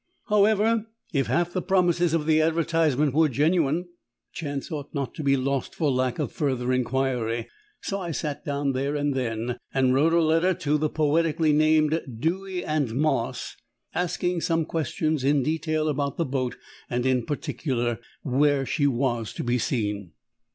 However, if half the promises of the advertisement were genuine, the chance ought not to be lost for lack of further inquiry. So I sat down there and then and wrote a letter to the poetically named Dewy and Moss, asking some questions in detail about the boat, and, in particular, where she was to be seen.